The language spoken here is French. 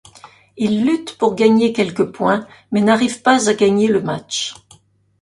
Il lutte pour gagner quelques points mais n'arrive pas à gagner le match.